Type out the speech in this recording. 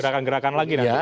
gerakan gerakan lagi namanya